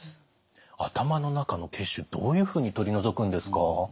頭の中の血腫どういうふうに取り除くんですか？